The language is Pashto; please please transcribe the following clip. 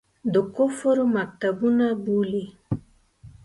د کفر مکتبونه بولي.